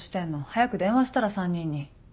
早く電話したら３人に。